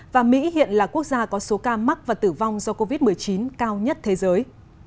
và mỹ hiện là quốc gia có số ca mắc và tử vong do covid một mươi chín cao nhất thế giới